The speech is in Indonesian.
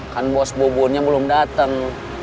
kan bos bubunnya belum dateng